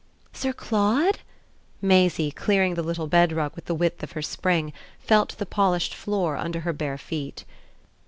"Sir Claude?" Maisie, clearing the little bed rug with the width of her spring, felt the polished floor under her bare feet.